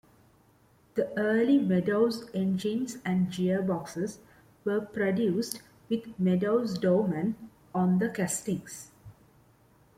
The early Meadows engines and gearboxes were produced with Meadows-Dorman on the castings.